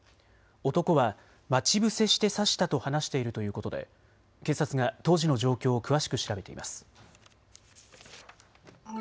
男は待ち伏せして刺したと話しているということで警察が当時の状況を詳しく調べています。